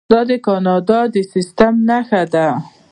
دا د کاناډا د سیستم نښه ده.